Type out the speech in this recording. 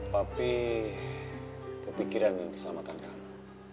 papi kepikiran dan keselamatan kamu